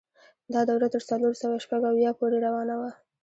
دا دوره تر څلور سوه شپږ اویا پورې روانه وه.